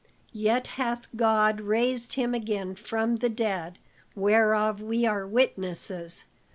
Yet hath God raised him again from the dead, whereof we are witnesses.